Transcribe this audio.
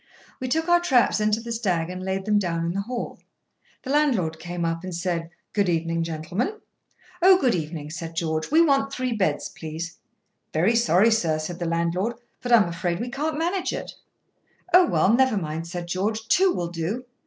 We took our traps into the Stag, and laid them down in the hall. The landlord came up and said: "Good evening, gentlemen." "Oh, good evening," said George; "we want three beds, please." "Very sorry, sir," said the landlord; "but I'm afraid we can't manage it." "Oh, well, never mind," said George, "two will do.